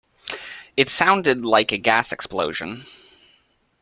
It sounded like a gas explosion.